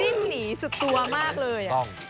ดิ้นหนีสักตัวมากเลย